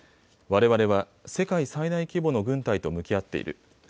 われわれは世界最大規模の軍隊と向き合っている。